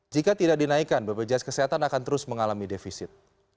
jika tidak dinaikkan bpjs kesehatan akan terus mengalami defisit